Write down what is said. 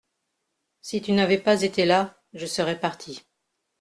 Si tu n’avais pas été là je serais parti.